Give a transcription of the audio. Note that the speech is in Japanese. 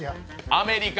アメリカ。